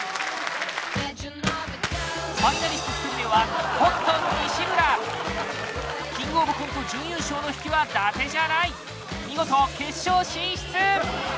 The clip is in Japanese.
ファイナリスト１人目はコットン西村「キングオブコント」準優勝の引きはだてじゃない見事決勝進出